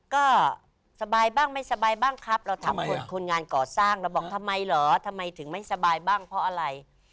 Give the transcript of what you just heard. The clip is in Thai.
ก็สบายบ้างไม่สบายบ้างครับเราถามคนงานก่อสร้างเราบอกทำไมเหรอทำไมถึงไม่สบายบ้างเพราะอะไร